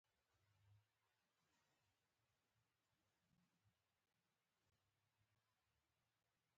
ګني همدا نن يې د راتللو نېټه ده.